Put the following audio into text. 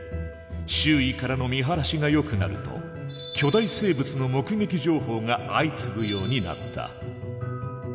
周囲からの見晴らしがよくなると巨大生物の目撃情報が相次ぐようになった。